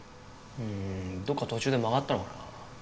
うーんどっか途中で曲がったのかな。